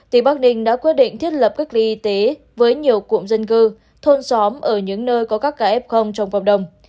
tỉnh bắc ninh đã quyết định thiết lập cách ly y tế với nhiều cụm dân cư thôn xóm ở những nơi có các ca f trong cộng đồng